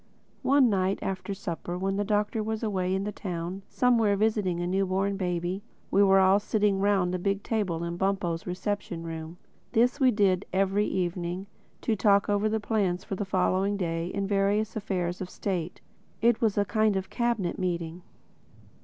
One night after supper when the Doctor was away in the town somewhere visiting a new born baby, we were all sitting round the big table in Bumpo's reception room. This we did every evening, to talk over the plans for the following day and various affairs of state. It was a kind of Cabinet Meeting.